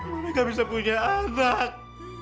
mereka bisa punya anak